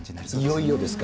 いよいよですか。